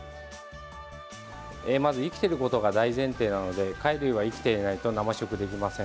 まず生きていることが大前提なので貝類は生きていないと生食できません。